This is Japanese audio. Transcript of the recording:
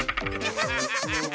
ハハハハハ！